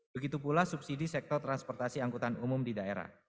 begitu pula subsidi sektor transportasi angkutan umum di daerah